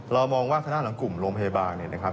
เรามองว่าธนาฬังกลุ่มโรงพยาบาล